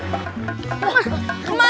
wah kemana sih